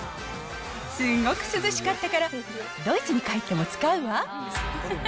すごく涼しかったから、ドイツに帰っても使うわ。